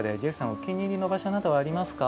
お気に入りの場所などはありますか。